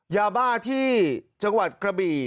ยาบ้าที่จังหวัดกระบี่